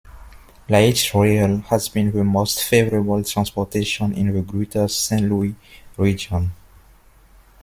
Light rail has been the most favorable transportation in the Greater Saint Louis region.